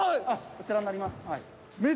こちらになります。